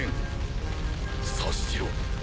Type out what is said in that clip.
察しろ。